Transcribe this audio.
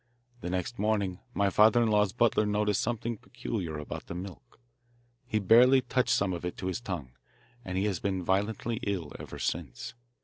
The next morning my father in law's butler noticed something peculiar about the milk. He barely touched some of it to his tongue, and he has been violently ill ever since.